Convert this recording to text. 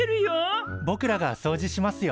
ぼくらがそうじしますよ。